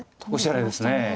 おしゃれですね。